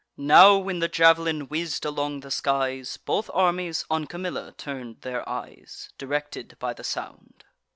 Now, when the jav'lin whizz'd along the skies, Both armies on Camilla turn'd their eyes, Directed by the sound.